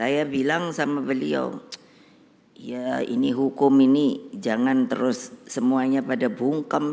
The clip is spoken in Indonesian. saya bilang sama beliau ya ini hukum ini jangan terus semuanya pada bungkem